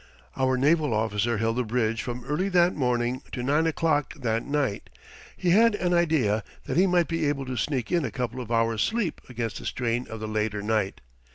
Our naval officer held the bridge from early that morning to nine o'clock that night. He had an idea that he might be able to sneak in a couple of hours' sleep against the strain of the later night.